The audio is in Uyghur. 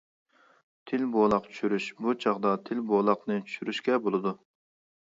تىل بولاق چۈشۈرۈش بۇ چاغدا تىل بولاقنى چۈشۈرۈشكە بولىدۇ.